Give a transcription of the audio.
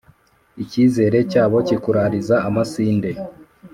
icyizere cyabo kikurariza amasinde